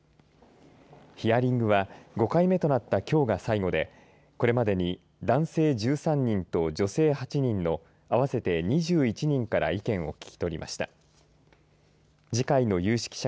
ヒアリングは５回目となったきょうが最後でこれまでに男性１３人と女性８人の合わせて２１人から意見を聞きとりました。